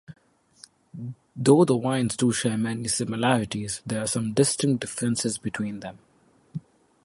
Though the wines do share many similarities, there are some distinct differences between them.